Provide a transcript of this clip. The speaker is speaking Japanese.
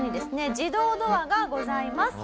自動ドアがございます。